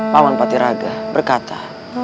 pak man patiraga berkata